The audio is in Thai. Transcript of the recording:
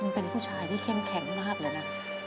เป็นผู้ชายที่เข้มแข็งมากเลยนะ